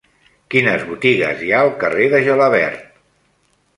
Quines botigues hi ha al carrer de Gelabert?